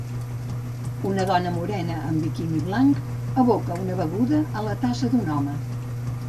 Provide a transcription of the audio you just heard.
Una dona morena amb un biquini blanc aboca una beguda a la tassa d'un home.